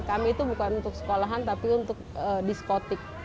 kami itu bukan untuk sekolahan tapi untuk diskotik